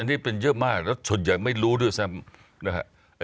อ่ะนี่เป็นเยอะมากแล้วส่วนใหญ่ไม่รู้ด้วยค่ะ